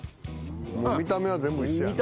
見た目は全部一緒やんな。